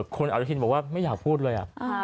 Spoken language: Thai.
คุณอนุทินบอกว่าไม่อยากพูดเลย